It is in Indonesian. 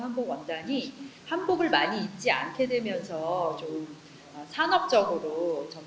sebelumnya kami telah berusaha untuk membuat pakaian kaya kami